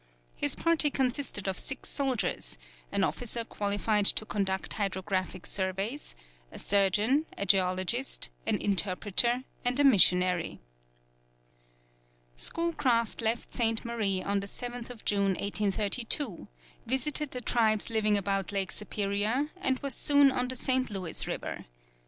His party consisted of six soldiers, an officer qualified to conduct hydrographic surveys, a surgeon, a geologist, an interpreter, and a missionary. Schoolcraft left St. Marie on the 7th June, 1832, visited the tribes living about Lake Superior, and was soon on the St. Louis river.